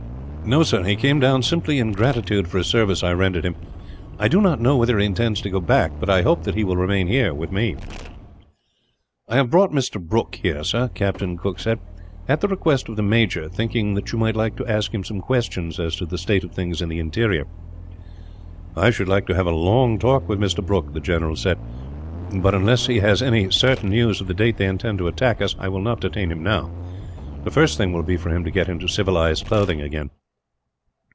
"No, sir; he came down simply in gratitude for a service I rendered him. I do not know whether he intends to go back; but I hope that he will remain here, with me." "I have brought Mr. Brooke here, sir," Captain Cooke said, "at the request of the major; thinking that you might like to ask him some questions as to the state of things in the interior." "I should like to have a long talk with Mr. Brooke," the general said; "but unless he has any certain news of the date they intend to attack us, I will not detain him now. The first thing will be for him to get into civilized clothes again.